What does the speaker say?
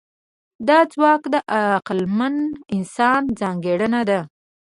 دا ځواک د عقلمن انسان ځانګړنه ده.